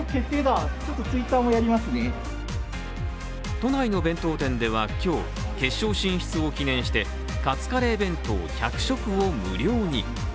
都内の弁当店では今日、決勝進出を記念してカツカレー弁当１００食を無料に。